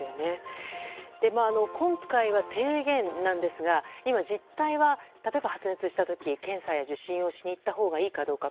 今回は提言ですが今、実態は例えば発熱した時検査や受診をしに行ったほうがいいかどうか。